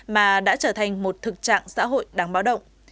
mà đã trở thành một thực trạng xã hội đáng báo động